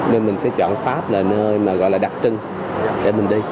nên mình sẽ chọn pháp là nơi mà gọi là đặc trưng để mình đi